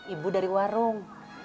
ibu dari warung